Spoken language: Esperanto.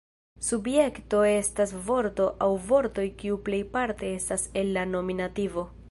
Subjekto estas vorto aŭ vortoj kiu plejparte estas en la nominativo.